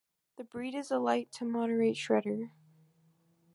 The breed is a light to moderate shedder.